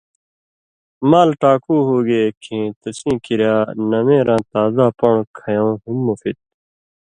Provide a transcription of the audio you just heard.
مال ٹاکُو ہُوگے کھیں تسیں کریا نمېراں تازا پن٘ڑوۡ کھیٶں ہم مفید تُھو۔